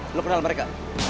belum kenal mereka